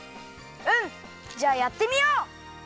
うん！じゃあやってみよう！